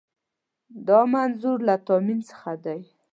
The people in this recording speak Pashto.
دا منظور له تامین څخه دی.